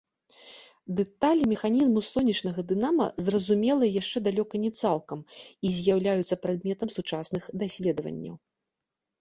Дэталі механізму сонечнага дынама зразумелыя яшчэ далёка не цалкам і з'яўляюцца прадметам сучасных даследаванняў.